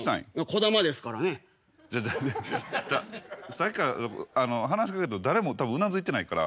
さっきから話しかけると誰も多分うなずいてないから。